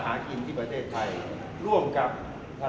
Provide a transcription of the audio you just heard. มันเป็นสิ่งที่เราไม่รู้สึกว่า